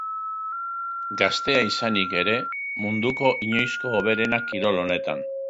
Gaztea izanik ere, munduko inoizko hoberena kirol honetan.